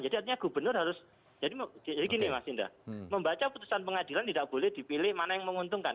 jadi artinya gubernur harus jadi gini mas indra membaca putusan pengadilan tidak boleh dipilih mana yang menguntungkan